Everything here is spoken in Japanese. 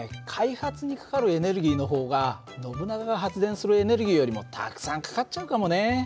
開発にかかるエネルギーの方がノブナガが発電するエネルギーよりもたくさんかかっちゃうかもね。